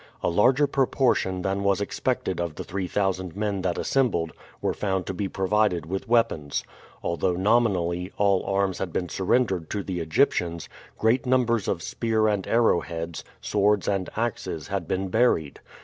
A larger proportion than was expected of the three thousand men that assembled were found to be provided with weapons. Although nominally all arms had been surrendered to the Egyptians, great numbers of spear and arrow heads, swords, and axes had been buried.